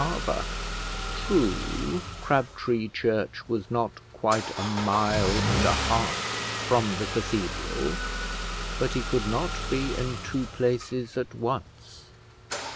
True, Crabtree Church was not quite a mile and a half from the cathedral; but he could not be in two places at once.